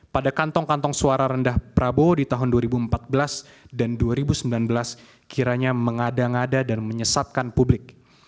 pada kantong kantong suara rendah prabowo di tahun dua ribu empat belas dan dua ribu sembilan belas kiranya mengada ngada dan menyesatkan publik